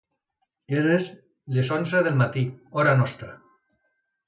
Eren les onze del matí, hora nostra.